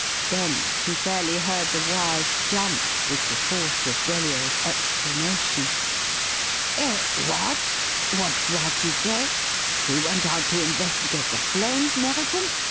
Then he fairly heard the wires jump with the force of Brellier's exclamation. "Eh what? What's that you say? He went out to investigate the flames, Merriton?